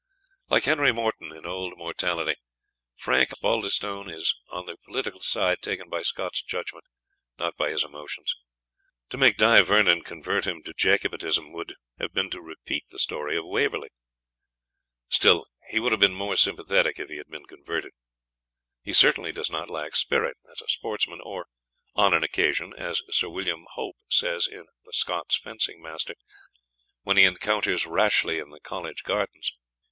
Like Henry Morton, in "Old Mortality," Frank Osbaldistone is on the political side taken by Scott's judgment, not by his emotions. To make Di Vernon convert him to Jacobitism would have been to repeat the story of Waverley. Still, he would have been more sympathetic if he had been converted. He certainly does not lack spirit, as a sportsman, or "on an occasion," as Sir William Hope says in "The Scots' Fencing Master," when he encounters Rashleigh in the college gardens.